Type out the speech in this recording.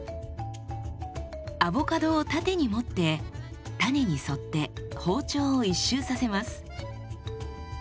アボカドを縦に持って種に沿って包丁を一周させます。